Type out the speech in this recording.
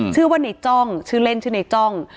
ชื่อว่าในจ้องชื่อเล่นชื่อในจ้อง